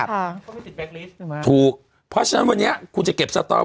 ค่ะก็ไม่จีดถูกเพราะฉะนั้นวันนี้คุณจะเก็บ